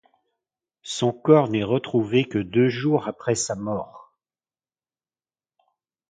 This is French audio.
Son corps n'est retrouvé que deux jours après sa mort.